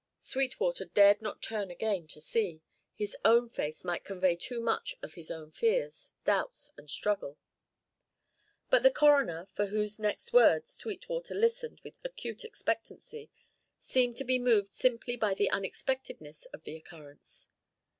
Sweetwater dared not turn again to see. His own face might convey too much of his own fears, doubts, and struggle. But the coroner, for whose next words Sweetwater listened with acute expectancy, seemed to be moved simply by the unexpectedness of the occurrence.